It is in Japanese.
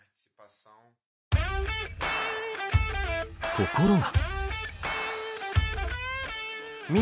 ところが。